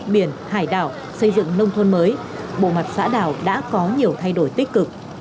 biển hải đảo xây dựng nông thôn mới bộ mặt xã đảo đã có nhiều thay đổi tích cực